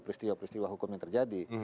peristiwa peristiwa hukum yang terjadi